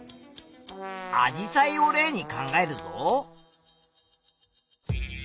アジサイを例に考えるぞ。